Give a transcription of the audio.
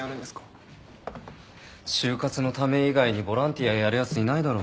就活のため以外にボランティアやるやついないだろ。